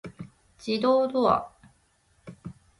自動ドア